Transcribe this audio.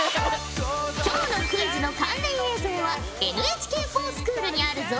今日のクイズの関連映像はＮＨＫｆｏｒＳｃｈｏｏｌにあるぞ。